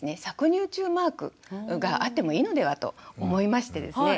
搾乳中マークがあってもいいのではと思いましてですね